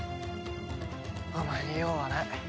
お前に用はない。